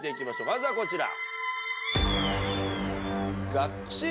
まずはこちら。